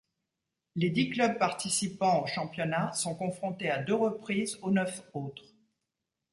Les dix clubs participants au championnat sont confrontés à deux reprises aux neuf autres.